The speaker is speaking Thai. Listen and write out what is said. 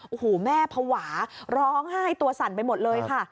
โอ้โหแม่ภาวะร้องไห้ตัวสั่นไปหมดเลยค่ะ